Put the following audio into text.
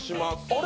あれ？